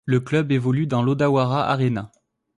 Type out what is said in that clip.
Le club évolue dans l'Odawara Arena.